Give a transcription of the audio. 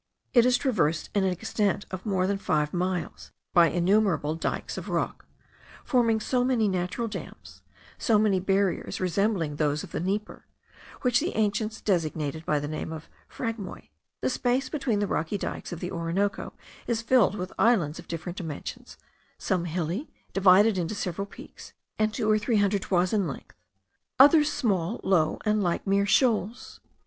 It is traversed, in an extent of more than five miles, by innumerable dikes of rock, forming so many natural dams, so many barriers resembling those of the Dnieper, which the ancients designated by the name of phragmoi. The space between the rocky dikes of the Orinoco is filled with islands of different dimensions; some hilly, divided into several peaks, and two or three hundred toises in length, others small, low, and like mere shoals.